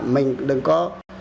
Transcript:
mình đừng có